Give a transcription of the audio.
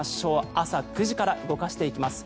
朝９時から動かしていきます。